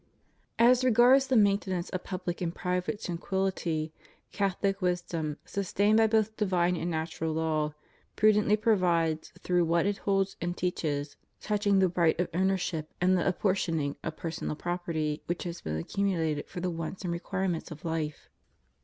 As regards the maintenance of public and private tran quillity, Catholic wisdom, sustained by both divine and natural law, prudently provides through what it holds and teaches touching the right of ownership and the apportioning of personal property which has been accu mulated for the wants and requirements of life.